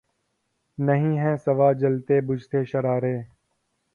نہیں ھیں سوا جلتے بجھتے شرارے